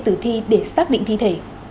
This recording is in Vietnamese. tử thi để xác định thi thể